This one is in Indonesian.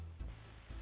kemarin waktu simulasi